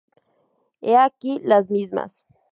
He aquí las mismas.